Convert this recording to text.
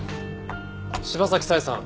柴崎佐江さん